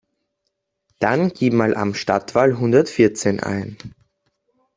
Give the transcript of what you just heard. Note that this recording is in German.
Dann gib mal Am Stadtwall hundertvierzehn ein.